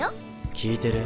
聞いてる？